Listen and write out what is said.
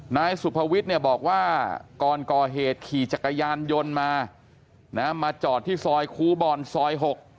นายสุภวิทย์เนี่ยบอกว่าก่อนก่อเหตุขี่จักรยานยนต์มามาจอดที่ซอยครูบอลซอย๖